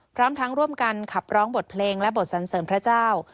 พร้อมทั้งร่วมกันขับร้องบทเพลงและบทสันเสริมพระเจ้า